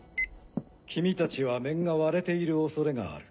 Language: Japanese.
君たちは面が割れている恐れがある。